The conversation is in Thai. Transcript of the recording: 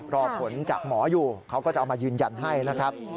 รอผลจากหมออยู่เขาก็จะเอามายืนยันให้นะครับ